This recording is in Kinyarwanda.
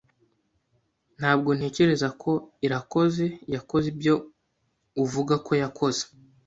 Ntabwo ntekereza ko Irakoze yakoze ibyo uvuga ko yakoze.